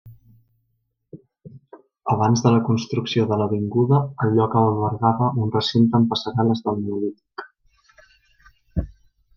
Abans de la construcció de l'avinguda el lloc albergava un recinte amb passarel·les del Neolític.